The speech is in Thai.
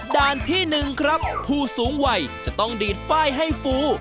ด้านที่๑ครับผู้สูงวัยจะต้องดีดฝ้ายให้ฟู